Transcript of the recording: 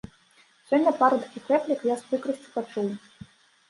Сёння пару такіх рэплік я з прыкрасцю пачуў.